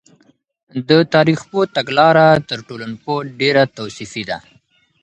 د تاریخ پوه تګلاره تر ټولنپوه ډېره توصیفي ده.